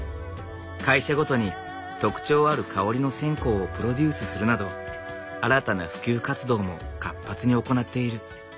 会社ごとに特徴ある香りの線香をプロデュースするなど新たな普及活動も活発に行っている。